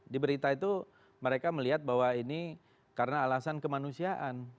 di berita itu mereka melihat bahwa ini karena alasan kemanusiaan